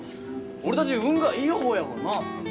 俺たち運がいい方やもんのう。